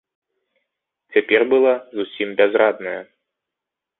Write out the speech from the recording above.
Цяпер была зусім бязрадная.